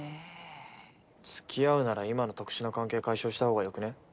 つきあうなら今の特殊な関係解消したほうがよくねえ？